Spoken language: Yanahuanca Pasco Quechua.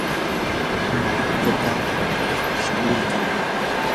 ¿maypitataq shamuykan?